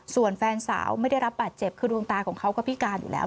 ส่วนแฟนสาวไม่ได้รับบาดเจ็บคือดวงตาของเขาก็พิการอยู่แล้ว